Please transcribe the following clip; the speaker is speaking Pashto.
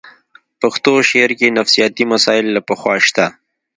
پښتو شعر کې نفسیاتي مسایل له پخوا شته